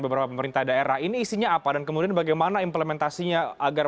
beberapa pemerintah daerah ini isinya apa dan kemudian bagaimana implementasinya agar